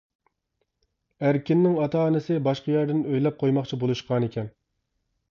ئەركىننىڭ ئاتا-ئانىسى باشقا يەردىن ئۆيلەپ قويماقچى بولۇشقانىكەن.